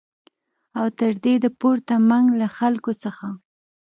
او تر دې د پورته منګ له خلکو څخه